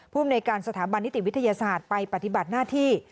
ภูมิในการสถาบันนิติวิทยาศาสตร์ไปปฏิบัติหน้าที่